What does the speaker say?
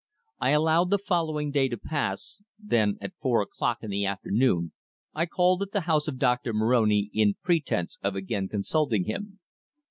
I allowed the following day to pass. Then, at four o'clock in the afternoon, I called at the house of Doctor Moroni in pretence of again consulting him.